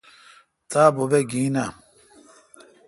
تا بوبے گین اے۔